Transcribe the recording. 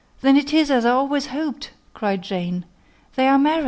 _]] "Then it is as I always hoped," cried Jane: "they are married!"